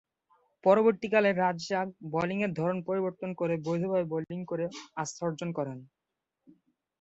পরবর্তীকালে রাজ্জাক বোলিংয়ে ধরন পরিবর্তন করে বৈধভাবে বোলিং করে আস্থা অর্জন করেন।